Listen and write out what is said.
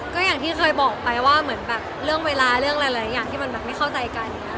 ก็อย่างที่เคยบอกไปว่าเหมือนแบบเรื่องเวลาเรื่องหลายอย่างที่มันแบบไม่เข้าใจกัน